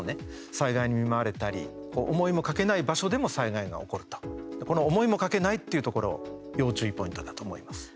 災害に見舞われたり思いもかけない場所でも災害が起こると、この思いもかけないっていうところ要注意ポイントだと思います。